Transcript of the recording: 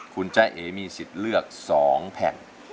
คุณจ้าเอ๋มีสิทธิ์เลือก๒แผ่น